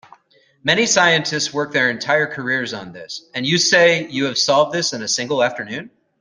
Many scientists work their entire careers on this, and you say you have solved this in a single afternoon?